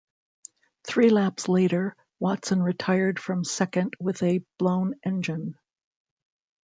Three laps later, Watson retired from second with a blown engine.